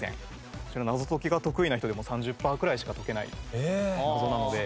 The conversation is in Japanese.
こちら謎解きが得意な人でも３０パーぐらいしか解けない謎なので。